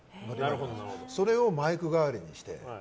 それをマイク代わりにして。